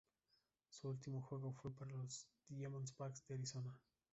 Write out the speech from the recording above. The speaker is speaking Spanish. Su último juego fue para los Diamondbacks de Arizona.